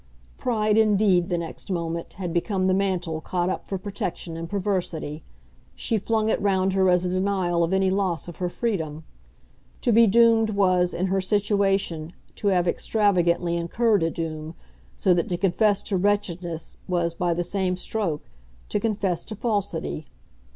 Pride indeed, the next moment, had become the mantle caught up for protection and perversity; she flung it round her as a denial of any loss of her freedom. To be doomed was, in her situation, to have extravagantly incurred a doom, so that to confess to wretchedness was, by the same stroke, to confess to falsity.